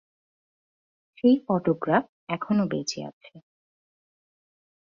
সেই ফটোগ্রাফ এখনও বেঁচে আছে।